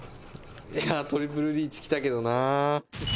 「いやトリプルリーチきたけどなあ」